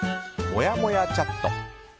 もやもやチャット。